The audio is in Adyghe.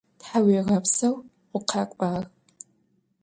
Thauêğepseu, vukhak'uağ!